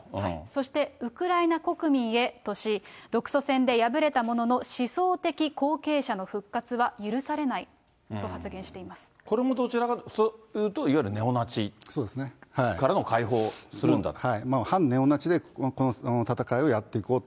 そして、ウクライナ国民へとし、対祖国戦で敗れたものの思想的後継者の復活は許されないと発言しこれもどちらかというと、いわゆるネオナチから解放するんだと。